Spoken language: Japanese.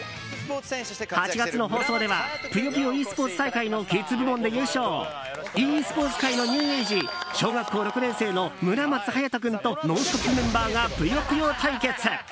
８月の放送では「ぷよぷよｅスポーツ」大会のキッズ部門で優勝ｅスポーツ界のニューエイジ小学校６年生の村松勇人君と「ノンストップ！」メンバーが「ぷよぷよ」対決。